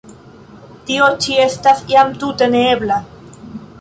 Tio ĉi estas jam tute ne ebla!